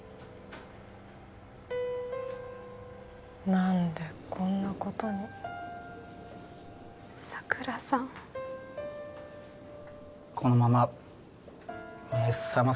何でこんなことに佐倉さんこのまま目覚まさ